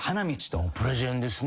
プレゼンですね。